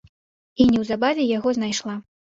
І неўзабаве яго знайшла.